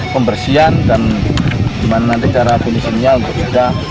pembersihan dan nanti cara penyelenggaraan untuk kita